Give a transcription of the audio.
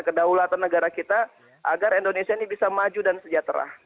kedaulatan negara kita agar indonesia ini bisa maju dan sejahtera